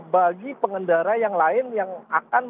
bagi pengendara yang lain yang akan